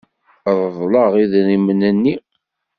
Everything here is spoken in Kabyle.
Reḍleɣ idrimen-nni.